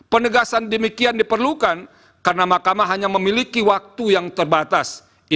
penegasan demikian diperlukan karena mahkamah hanya memiliki waktu yang terbatas